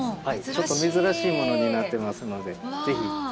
ちょっと珍しいものになってますので、ぜひ。